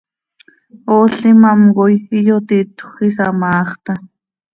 Ool imám coi iyotitjö, isamaax taa.